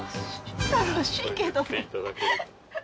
楽しいけど。